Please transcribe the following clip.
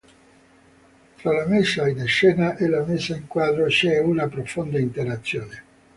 Tra la messa in scena e la messa in quadro c'è una profonda interazione.